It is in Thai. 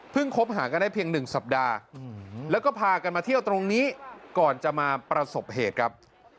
คบหากันได้เพียง๑สัปดาห์แล้วก็พากันมาเที่ยวตรงนี้ก่อนจะมาประสบเหตุครับ